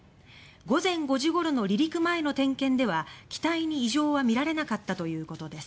午前５時ごろの離陸前の点検では機体に異常は見られなかったということです。